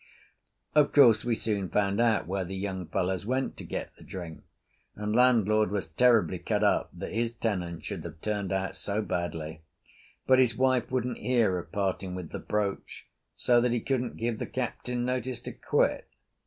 Of course we soon found out where the young fellows went to get the drink, and landlord was terribly cut up that his tenant should have turned out so badly, but his wife wouldn't hear of parting with the brooch, so that he couldn't give the Captain notice to quit.